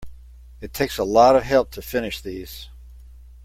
It takes a lot of help to finish these.